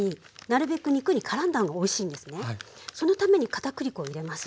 そのために片栗粉を入れます。